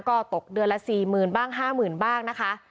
ก็ตกเดือนละ๔๐๐๐บ้าง๕๐๐๐บ้างนะคะ